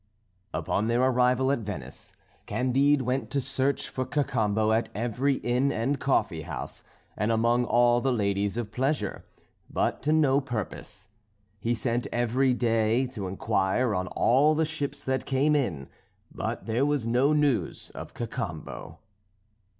Upon their arrival at Venice, Candide went to search for Cacambo at every inn and coffee house, and among all the ladies of pleasure, but to no purpose. He sent every day to inquire on all the ships that came in. But there was no news of Cacambo.